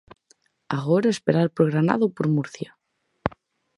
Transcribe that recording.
Agora a esperar por Granada ou por Murcia.